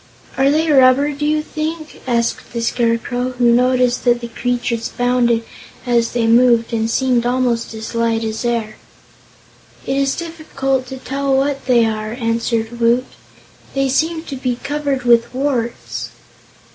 "Are they rubber, do you think?" asked the Scarecrow, who noticed that the creatures bounded, as they moved, and seemed almost as light as air. "It is difficult to tell what they are," answered Woot, "they seem to be covered with warts."